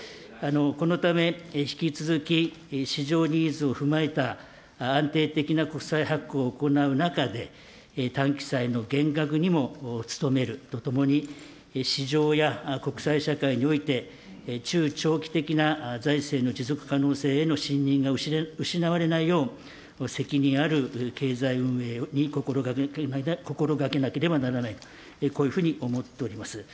このため、引き続き市場ニーズを踏まえた安定的な国債発行を行う中で、短期債の減額にも努めるとともに、市場や国際社会において、中長期的な財政の持続可能性への信任が失われないよう、責任ある経済運営に心がけなければならないと、こういうふうに思っております。